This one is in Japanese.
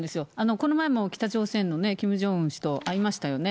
この前も北朝鮮のキム・ジョンウン氏と会いましたよね。